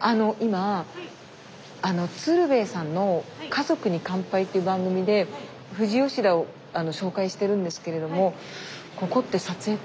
あの今鶴瓶さんの「家族に乾杯」っていう番組で富士吉田を紹介してるんですけれどもここって撮影って？